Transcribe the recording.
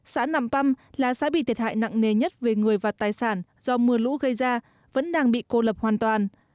xã nạm păm là xã bị thiệt hại nặng nề nhất về người và tài sản do mưa lũ gây ra vẫn đang bị cô lập hoàn toàn